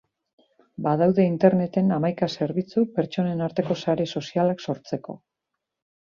Badaude interneten hamaika zerbitzu pertsonen arteko sare sozialak sortzeko.